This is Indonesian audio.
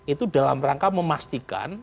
itu dalam rangka memastikan